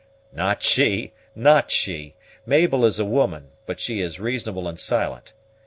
"Not she! not she! Mabel is a woman, but she is reasonable and silent.